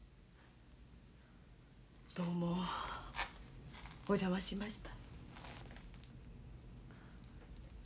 どうもお邪魔しました。